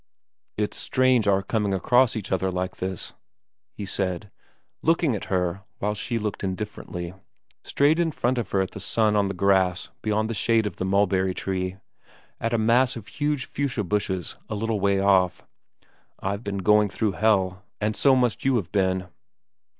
' It's strange our coming across each other like this,' he said, looking at her while she looked indifferently 11 12 VERA n straight in front of her at the sun on the grass beyond the shade of the mulberry tree, at a mass of huge fuchsia bushes a little way off. ' I've been going through hell and so must you have been.